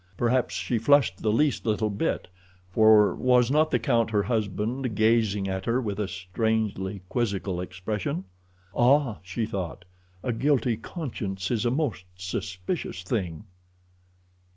Perhaps she flushed the least little bit, for was not the count, her husband, gazing at her with a strangely quizzical expression. "Ah," she thought, "a guilty conscience is a most suspicious thing."